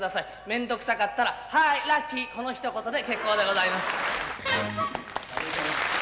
めんどくさかったらはーい、ラッキー、このひと言で結構でございます。